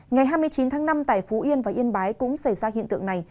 ngày hai mươi chín tháng năm tại phú yên và yên bái cũng xảy ra hiện tượng này